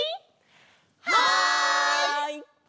はい！